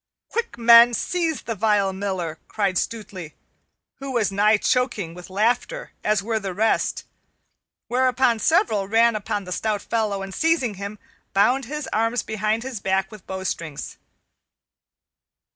"Quick, men, seize the vile Miller!" cried Stutely, who was nigh choking with laughter as were the rest; whereupon several ran upon the stout fellow and seizing him, bound his arms behind his back with bowstrings.